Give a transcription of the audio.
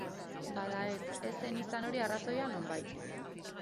Bada ez, ez zen hori izan arrazoia, nonbait.